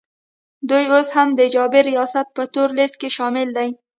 دوی اوس هم د جابر ریاست په تور لیست کي شامل دي